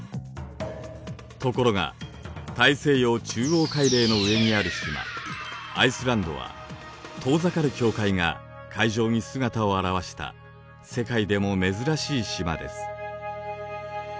ところが大西洋中央海嶺の上にある島アイスランドは遠ざかる境界が海上に姿を現した世界でも珍しい島です。